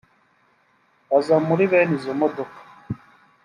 baza muri bene izo modoka